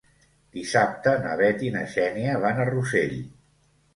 Dissabte na Bet i na Xènia van a Rossell.